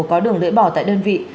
có đường lưỡi bỏ tại đơn vị